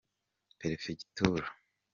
perefegitura.